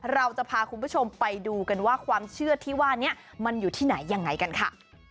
เราจะพาคุณผู้ชมไปดูกันว่าความเชื่อที่ว่านี้มันอยู่ที่ไหนยังไงกันค่ะ